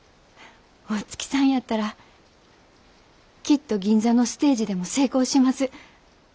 大月さんやったらきっと銀座のステージでも成功します。